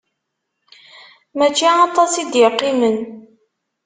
Mačči aṭas i d-iqqimen.